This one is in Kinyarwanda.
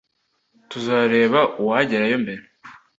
Tuzareba uwagerayo mbere.